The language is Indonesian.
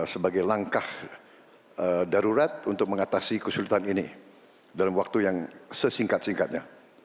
sebagai langkah darurat untuk mengatasi kesulitan ini dalam waktu yang sesingkat singkatnya